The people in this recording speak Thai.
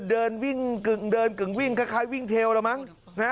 เดินวิ่งกึ่งเดินกึ่งวิ่งคล้ายวิ่งเทลแล้วมั้งนะ